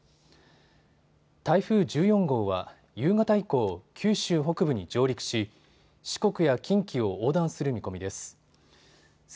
台風１４号は夕方以降、九州北部に上陸し、四国や近畿を横断する見込みです。